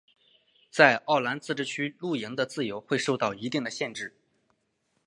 在奥兰自治区露营的自由会受到一定的限制。